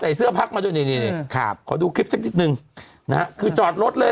อ๋อใส่เสื้อพักมาดูนี่นี่นี่ครับขอดูนึงนะคือจอดรถเลย